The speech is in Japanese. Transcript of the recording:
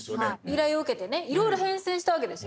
依頼を受けてねいろいろ変遷したわけですね。